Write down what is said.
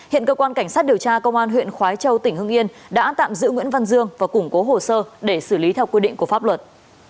hiện cơ quan cảnh sát điều tra công an huyện khói châu tỉnh hưng yên đã tạm giữ nguyễn văn dương và củng cố hồ sơ để xử lý theo quy định của pháp luật